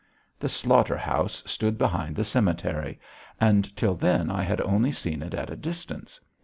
The slaughter house stood behind the cemetery, and till then I had only seen it at a distance.